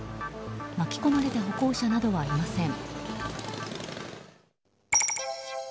巻き込まれた歩行者などはいません。